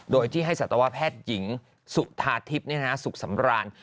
โดยที่ให้สัตวแพทย์หญิงสุธาทิพย์สุขสำราญ